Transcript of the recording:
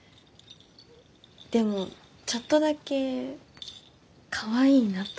でもちょっとだけかわいいなと。